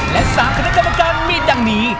และ๓คนในคอนเวอร์กันมีดังหนี